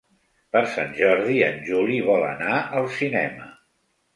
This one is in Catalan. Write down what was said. Per Sant Jordi en Juli vol anar al cinema.